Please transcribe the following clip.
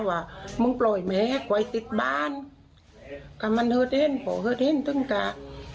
น่าจะเกิดจากอะไรหรือเปล่า